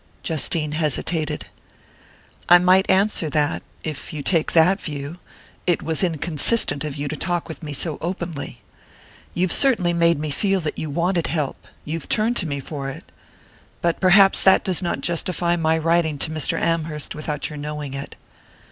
Justine hesitated. "I might answer that, if you take that view, it was inconsistent of you to talk with me so openly. You've certainly made me feel that you wanted help you've turned to me for it. But perhaps that does not justify my writing to Mr. Amherst without your knowing it."